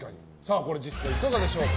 これ実際いかがでしょうか。